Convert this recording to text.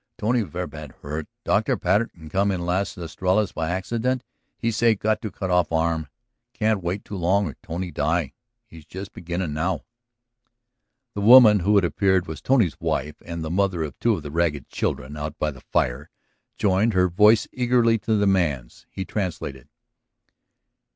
"Tony ver' bad hurt. Dr. Patten come in Las Estrellas by accident, he say got to cut off the arm, can't wait too long or Tony die. He just beginnin' now." The woman, who, it appeared was Tony's wife and the mother of two of the ragged children out by the fire, joined her voice eagerly to the man's. He translated.